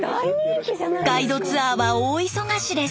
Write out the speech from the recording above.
ガイドツアーは大忙しです。